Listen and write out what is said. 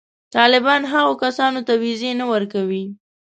طالبان هغو کسانو ته وېزې نه ورکوي.